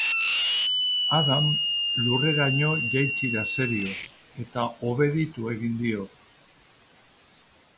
Adam lurreraino jaitsi da serio, eta obeditu egin dio.